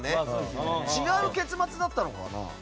違う結末だったのかな？